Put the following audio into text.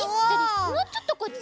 もうちょっとこっち。